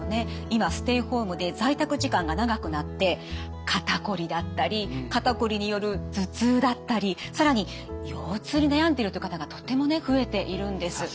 今ステイホームで在宅時間が長くなって肩こりだったり肩こりによる頭痛だったり更に腰痛に悩んでるっていう方がとても増えているんです。